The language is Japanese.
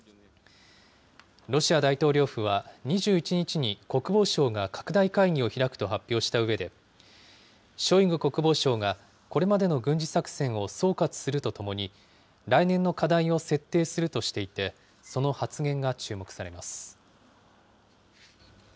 ロシア大統領府は２１日に国防省が拡大会議を開くと発表したうえで、ショイグ国防相が、これまでの軍事作戦を総括するとともに、来年の課題を設定するとしていて、その発言が注目されます。